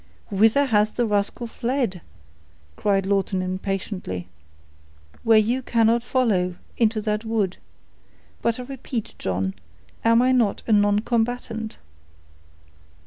"Whither has the rascal fled?" cried Lawton, impatiently. "Where you cannot follow—into that wood. But I repeat, John, am I not a noncombatant?"